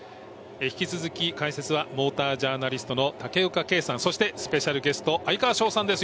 引き続き解説はモータージャーナリストの竹岡圭さんそしてスペシャルゲスト哀川翔さんです。